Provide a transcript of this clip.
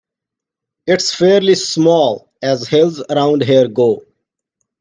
It's fairly small as hills around here go.